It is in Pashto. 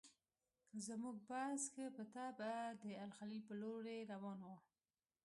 زموږ بس ښه په طبعه د الخلیل پر لوري روان و.